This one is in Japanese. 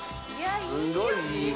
すごいいいわ。